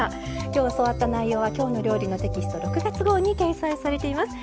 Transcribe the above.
今日教わった内容は「きょうの料理」のテキスト６月号に掲載されています。